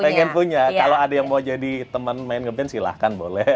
pengen punya kalau ada yang mau jadi teman main nge band silahkan boleh